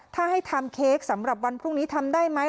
ถ้าให้ทำเค้กสำหรับวันพรุ่งนี้ทำได้ไหม